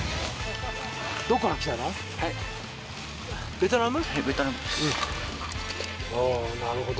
ベトナム？